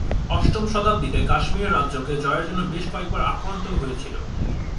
অষ্টম শতাব্দীতে, কাশ্মীরের রাজ্যকে জয়ের জন্য বেশ কয়েকবার আক্রান্ত হয়েছিল।